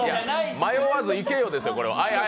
迷わず行けよ、ですよ。